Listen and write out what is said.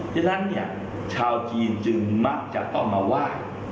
ฉะนั้นเนี่ยชาวจีนจึงมักจะต้องมาไหว้